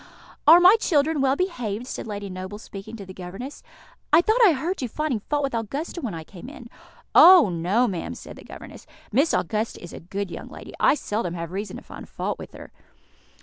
"Are my children well behaved?" said Lady Noble, speaking to the governess. "I thought I heard you finding fault with Augusta when I came in." "Oh, no, ma'am," said the governess; "Miss Augusta is a good young lady; I seldom have reason to find fault with her."